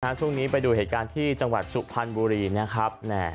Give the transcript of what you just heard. ช่วงนี้ไปดูเหตุการณ์ที่จังหวัดสุพรรณบุรีนะครับ